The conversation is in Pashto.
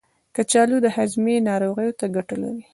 کچالو د هاضمې ناروغیو ته ګټه لري.